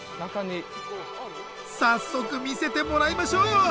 早速見せてもらいましょう。